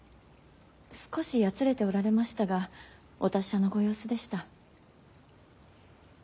少しやつれておられましたがお達者のご様子でした。